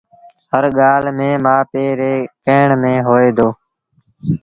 هر ڳآل ميݩ مآ پي ري ڪهيڻ ميݩ هوئي دو